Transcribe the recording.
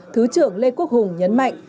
thứ trưởng lê quốc hùng nhấn mạnh